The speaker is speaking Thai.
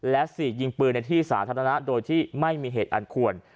และ๔ยิงปืนในที่สาธารณะโดยที่ไม่มีเหตุอันควร